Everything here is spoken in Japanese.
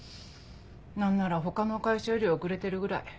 何なら他の会社より遅れてるぐらい。